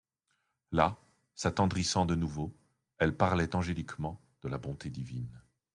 Là, s'attendrissant de nouveau, elle parlait angéliquement de la bonté divine.